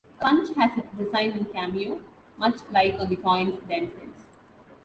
A punch has its design in cameo, much like on the coins themselves.